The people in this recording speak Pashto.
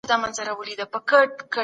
حقوق له ټولني پرته معنا نلري.